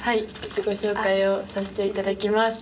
自己紹介をさせていただきます。